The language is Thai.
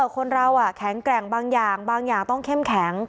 คนเราแข็งแกร่งบางอย่างบางอย่างต้องเข้มแข็ง